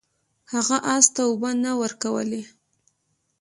هغه اس ته اوبه نه ورکولې.